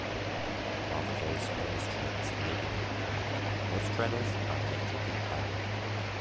While the very smallest shredders may be hand-cranked, most shredders are electrically powered.